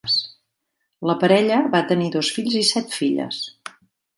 La parella va tenir dos fills i set filles.